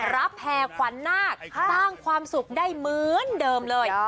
รับแพร่ควันหน้าสร้างความสุขได้เหมือนเดิมเลย